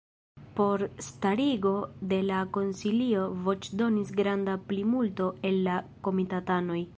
Por starigo de la konsilio voĉdonis granda plimulto el la komitatanoj.